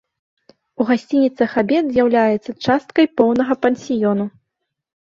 У гасцініцах абед з'яўляецца часткай поўнага пансіёну.